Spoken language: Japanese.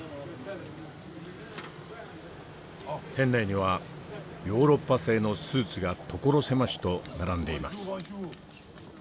店内にはヨーロッパ製のスーツが所狭しと並んでいます。